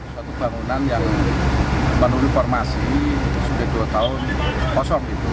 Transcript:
pembangunan yang menunjukan formasi sudah dua tahun kosong